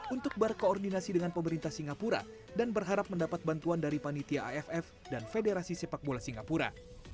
untuk berkoordinasi dengan pemerintah singapura dan berharap mendapat bantuan dari panitia aff dan federasi sepak bola singapura